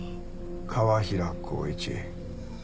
川平浩一。